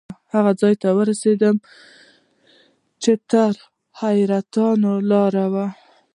هغه ځای ته ورسېدو چې لار ترې حیرتانو ته لاړه وه.